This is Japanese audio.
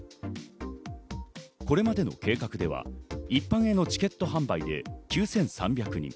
これまでの計画では一般へのチケット販売で９３００人。